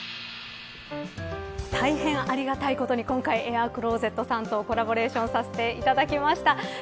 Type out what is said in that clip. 大変ありがたいことに今回エアークローゼットさんとコラボレーションさせていただきました。